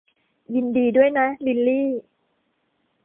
ยินดีด้วยนะลิลลี่